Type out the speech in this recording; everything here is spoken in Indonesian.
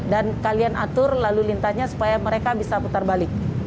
dan kalian atur lalu lintasnya supaya mereka bisa putar balik